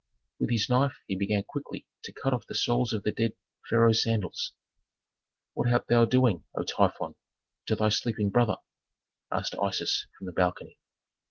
With this knife he began quickly to cut off the soles of the dead pharaoh's sandals. "What art thou doing, O Typhon, to thy sleeping brother?" asked Isis from the balcony.